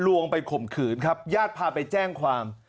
วงไปข่มขืนครับญาติพาไปแจ้งความ